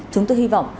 chúng tôi hy vọng